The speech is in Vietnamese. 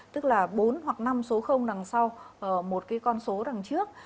tức là bốn hoặc năm số đằng sau một cái con số đằng trước